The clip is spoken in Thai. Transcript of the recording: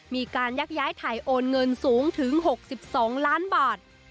มีการยักย้ายถ่ายโอนเงินสูงถึง๖๒ล้านบาท